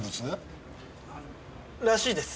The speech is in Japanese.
らしいです。